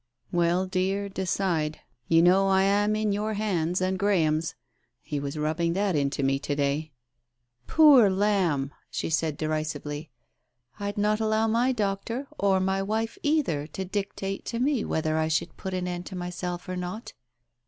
"Well, dear, decide. You know I am in your hands and Graham's. He was rubbing that into me to day." "Poor lamb !" she said derisively; "I'd not allow my doctor, or my wife either, to dictate to me whether I should put an end to myself, or not."